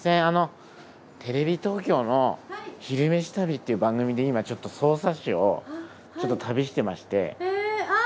あのテレビ東京の「昼めし旅」っていう番組で今ちょっと匝瑳市をちょっと旅してまして。